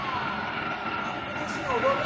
ラップで一緒に踊る？